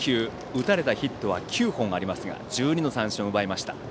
打たれたヒットは９本ありますが１２の三振を奪いました。